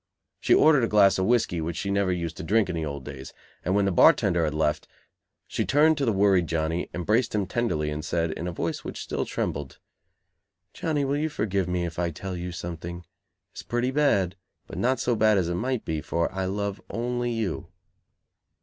She ordered a glass of whiskey, which she never used to drink in the old days, and when the bar tender had left, she turned to the worried Johnny, embraced him tenderly and said, in a voice which still trembled: "Johnny, will you forgive me if I tell you something? It's pretty bad, but not so bad as it might be, for I love only you."